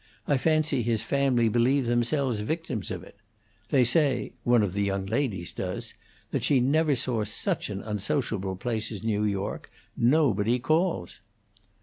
I fancy his family believe themselves victims of it. They say one of the young ladies does that she never saw such an unsociable place as New York; nobody calls."